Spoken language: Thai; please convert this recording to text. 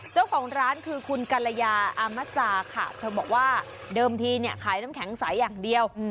เจ้าของร้านคือคุณกัลยาอามัสซาค่ะเธอบอกว่าเดิมทีเนี่ยขายน้ำแข็งใสอย่างเดียว